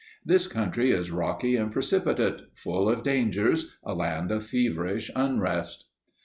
This country is rocky and precipitate, full of dangers, a land of feverish unrest.